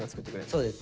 そうです。